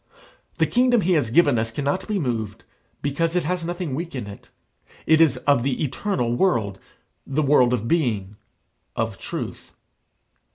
The kingdom he has given us cannot be moved, because it has nothing weak in it: it is of the eternal world, the world of being, of truth.